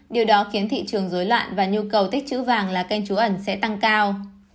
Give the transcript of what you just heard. điều đó khiến thị trường dối loạn và nhu cầu tích chữ vàng là kênh trú ẩn sẽ tăng cao